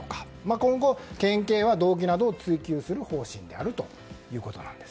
今後、県警は動機などを追及する方針であるということです。